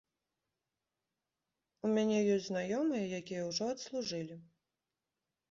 У мяне есць знаёмыя, якія ўжо адслужылі.